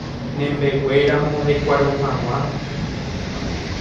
Nembeguéramo rekuaru hag̃ua